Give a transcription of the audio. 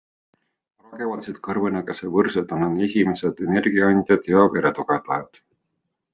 Varakevadised kõrvenõgese võrsed on esimesed energiaandjad ja veretugevdajad.